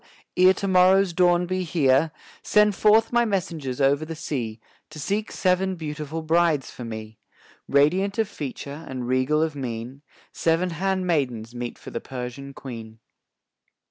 ere to morrow's dawn be here, "Send forth my messengers over the sea, To seek seven beautiful brides for me; "Radiant of feature and regal of mien, Seven handmaids meet for the Persian Queen."